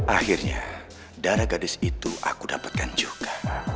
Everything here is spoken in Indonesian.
akhirnya darah gadis itu aku dapatkan juga